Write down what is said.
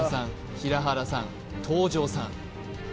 平原さん東條さん